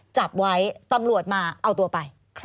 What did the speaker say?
จับไว้ตำรวจมาเอาตัวไป